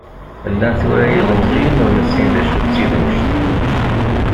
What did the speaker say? Llan tura yilemẓiyen ur nessin d acu d tidnect.